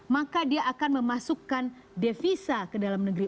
maka dia akan memasukkan devisa ke dalam negeri